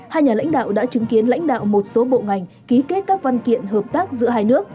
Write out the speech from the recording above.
hai nhà lãnh đạo đã chứng kiến lãnh đạo một số bộ ngành ký kết các văn kiện hợp tác giữa hai nước